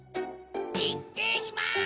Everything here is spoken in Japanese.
・いってきます！